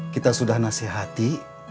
kita sudah nasihati